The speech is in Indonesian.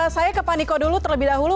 saya ke pak niko dulu terlebih dahulu